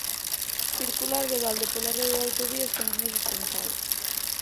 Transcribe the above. Circular de balde pola rede de autovías ten os meses contados.